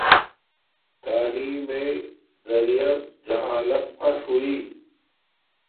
تعیلم میے زریعس جہالت فݽ ہوݵݵ